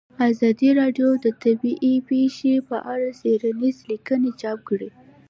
ازادي راډیو د طبیعي پېښې په اړه څېړنیزې لیکنې چاپ کړي.